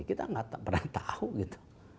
kita gak pernah tahu gitu